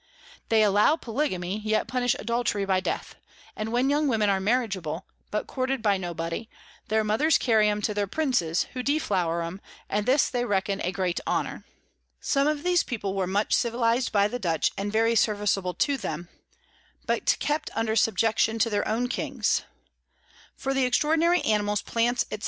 They allow Polygamy, yet punish Adultery by Death; and when young Women are marriageable, but courted by no body, their Mothers carry 'em to their Princes, who deflower 'em; and this they reckon a great Honour. Some of these People were much civiliz'd by the Dutch, and very serviceable [Sidenote: Account of the River Amazons.] to them, but still kept under Subjection to their own Kings. For the extraordinary Animals, Plants, _&c.